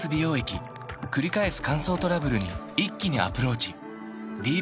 くり返す乾燥トラブルに一気にアプローチ